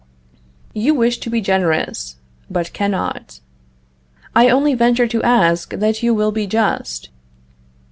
You wish to be generous, but cannot. I only venture to ask that you will be just.